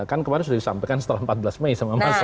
kan kemarin sudah disampaikan setelah empat belas mei sama mas